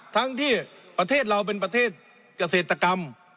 ทั้งที่ประเทศเราเป็นประเทศเกษตรกรรม